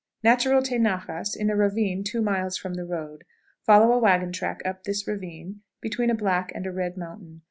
Natural tenajas in a ravine two miles from the road; follow a wagon track up this ravine between a black and a red mountain.